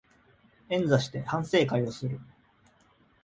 円座して反省会をする